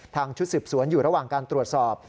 ชุดสืบสวนอยู่ระหว่างการตรวจสอบ